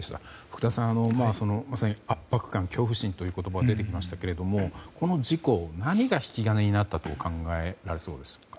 福田さん、まさに圧迫感、恐怖心という言葉が出てきましたがこの事故、何が引き金になったと考えられそうですか。